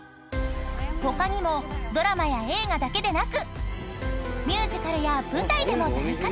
［他にもドラマや映画だけでなくミュージカルや舞台でも大活躍］